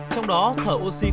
trong đó thở oxy